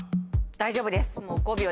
大丈夫です。